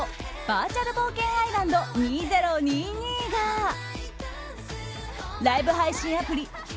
バーチャル冒険アイランド２０２２がライブ配信アプリ